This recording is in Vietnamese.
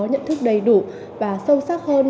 nhận thức đầy đủ và sâu sắc hơn